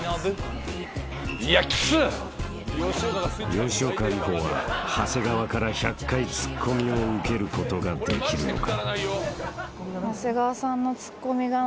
［吉岡里帆は長谷川から１００回ツッコミを受けることができるのか？］